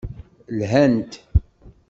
Lhant.